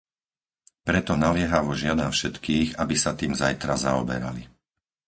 Preto naliehavo žiadam všetkých, aby sa tým zajtra zaoberali.